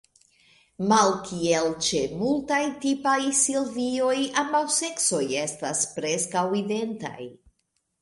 Malkiel ĉe multaj tipaj silvioj, ambaŭ seksoj estas preskaŭ identaj.